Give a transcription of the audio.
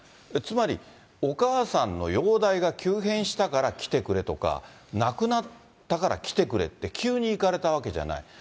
つまり、お母さんの容体が急変したから来てくれとか、亡くなったから来てくれって急に行かれたわけじゃない。